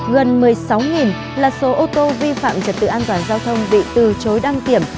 gần một mươi sáu là số ô tô vi phạm trật tự an toàn giao thông bị từ chối đăng kiểm